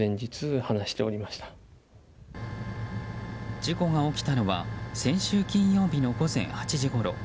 事故が起きたのは先週金曜日の午前８時ごろ。